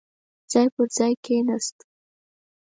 ځای پر ځاې کېناست.